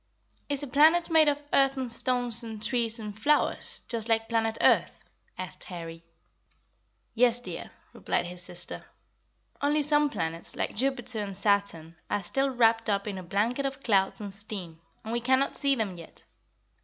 "Is a planet made of earth and stones and trees and flowers, just like planet Earth?" asked Harry. [Illustration: COMPARATIVE SIZE OF THE PLANETS.] "Yes, dear," replied his sister; "only some planets, like Jupiter and Saturn, are still wrapped up in a blanket of clouds and steam, and we cannot see them yet.